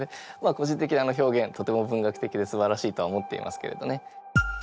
個人的にあの表現とても文学的ですばらしいとは思っていますけれどね。